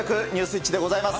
イッチでございます。